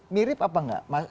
mirip apa enggak